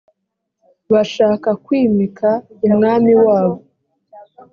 bashaka kwimika umwami wabo